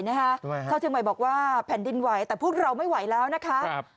ชาวเชียงใหม่บอกว่าแผ่นดินไหวแต่พวกเราไม่ไหวแล้วนะคะ